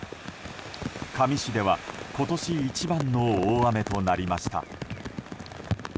香美市では今年一番の大雨となりました。